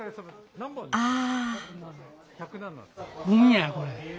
ああ。